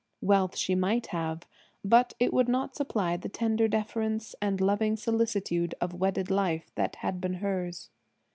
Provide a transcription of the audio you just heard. Wealth she might have, but it would not supply the tender deference and loving solicitude of wedded life that had been hers.